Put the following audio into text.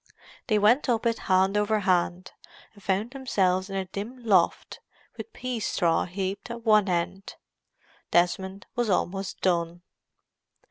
They went up it hand over hand, and found themselves in a dim loft, with pea straw heaped at one end. Desmond was almost done.